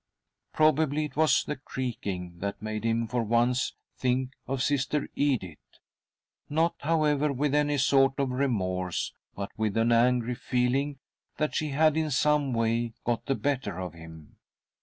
Probably it was the creaking that made him, for once, think of Sister Edith — not, however, with any sort of remorse, but with an angry feeling that she had, in some way, got the better of him.